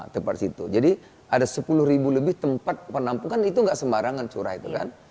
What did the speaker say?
tempat situ jadi ada sepuluh ribu lebih tempat penampungan itu nggak sembarangan curah itu kan